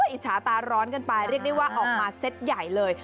อิจฉาตาร้อนกันไปเรียกได้ว่าออกมาเซ็ตใหญ่เลย